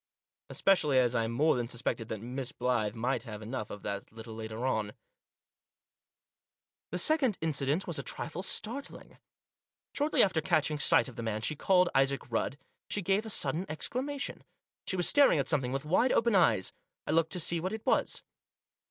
Especially as I more than suspected that Miss Blyth might have enough of that a little later on. The second incident was a trifle startling. Shortly after catching sight of the man she called Isaac Rudd, she gave a sudden exclamation. She was staring at something with wide open eyes. I looked to see what it was.